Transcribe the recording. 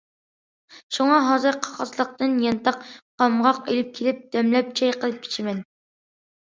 شۇڭا، ھازىر قاقاسلىقتىن يانتاق، قامغاق ئېلىپ كېلىپ دەملەپ چاي قىلىپ ئىچىمەن.